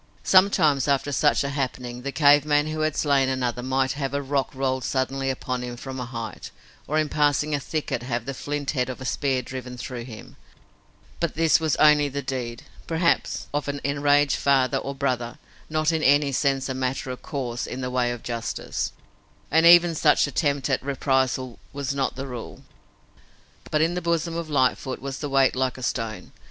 Sometimes after such a happening, the cave man who had slain another might have a rock rolled suddenly upon him from a height, or in passing a thicket have the flint head of a spear driven through him, but this was only the deed, perhaps, of an enraged father or brother, not in any sense a matter of course in the way of justice, and even such attempt at reprisal was not the rule. But in the bosom of Lightfoot was a weight like a stone.